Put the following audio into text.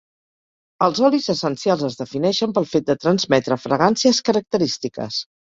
Els olis essencials es defineixen pel fet de transmetre fragàncies característiques.